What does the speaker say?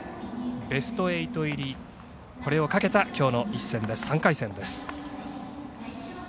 ベスト８入り、これをかけたきょうの一戦、３回戦です。